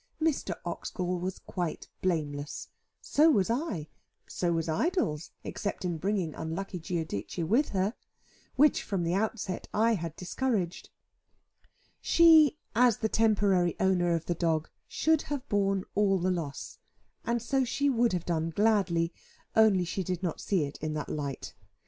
Mr. Oxgall was quite blameless, so was I, so was Idols, except in bringing unlucky Giudice with her, which, from the outset, I had discouraged. She, as the temporary owner of the dog, should have borne all the loss; and so she would have done gladly, only she did not see it in that light.